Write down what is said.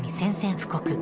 布告